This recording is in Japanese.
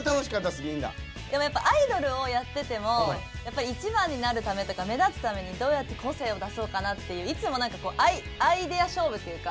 でもやっぱアイドルをやっててもやっぱ一番になるためとか目立つためにどうやって個性を出そうかなっていういつもアイデア勝負というか